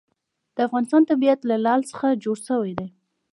د افغانستان طبیعت له لعل څخه جوړ شوی دی.